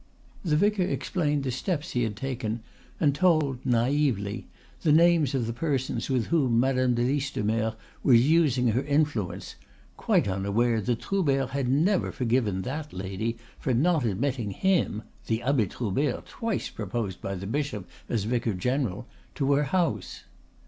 The vicar explained the steps he had taken, and told, naively, the names of the persons with whom Madam de Listomere was using her influence, quite unaware that Troubert had never forgiven that lady for not admitting him the Abbe Troubert, twice proposed by the bishop as vicar general! to her house.